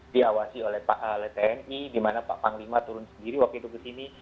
diawasi oleh tni di mana pak panglima turun sendiri waktu itu ke sini